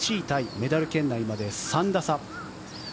メダル圏内まで３打差。